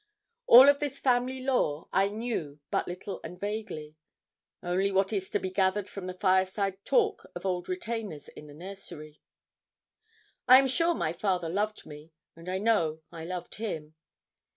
Of all this family lore I knew but little and vaguely; only what is to be gathered from the fireside talk of old retainers in the nursery. I am sure my father loved me, and I know I loved him.